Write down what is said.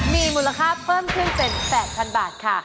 มีมูลค่าเพิ่มขึ้นเป็น๘๐๐๐บาทค่ะ